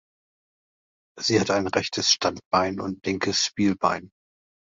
Sie hat ein rechtes Standbein und linkes Spielbein.